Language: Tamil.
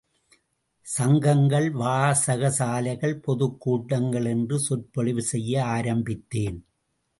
சங்கங்கள், வாசகசாலைகள், பொதுக்கூட்டங்கள் என்று சொற்பொழிவு செய்ய ஆரம்பித்தேன்.